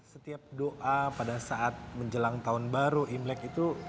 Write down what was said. setiap doa pada saat menjelang tahun baru imlek itu